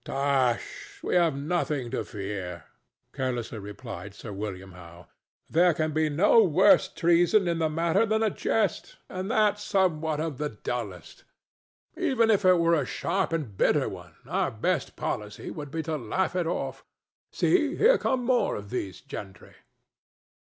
"Tush! we have nothing to fear," carelessly replied Sir William Howe. "There can be no worse treason in the matter than a jest, and that somewhat of the dullest. Even were it a sharp and bitter one, our best policy would be to laugh it off. See! here come more of these gentry."